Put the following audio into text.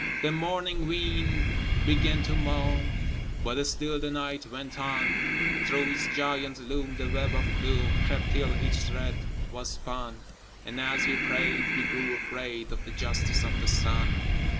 The morning wind began to moan, But still the night went on: Through its giant loom the web of gloom Crept till each thread was spun: And, as we prayed, we grew afraid Of the Justice of the Sun.